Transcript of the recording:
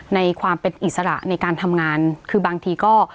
ในความเป็นอิสระในการทำงานคือบางทีก็